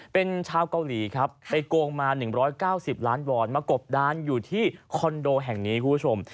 เป็นชาวเกาหลีครับไปโกงมา๑๙๐ล้านวอนมากบดานอยู่ที่คอนโดแห่งนี้คุณผู้ชม